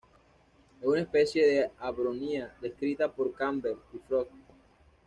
Es una especie de Abronia descrita por Campbell y Frost.